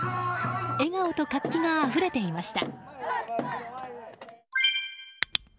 笑顔と活気があふれていました。